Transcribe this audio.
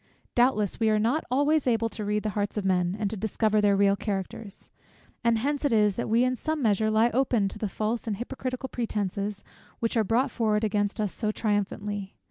Doubtless we are not able always to read the hearts of men, and to discover their real characters; and hence it is, that we in some measure lie open to the false and hypocritical pretences which are brought forward against us so triumphantly.